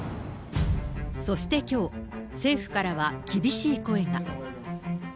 そしてきょう、政府からは厳しい声が。